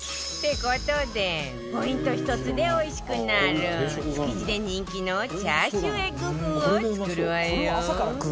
って事でポイント１つでおいしくなる築地で人気のチャーシューエッグ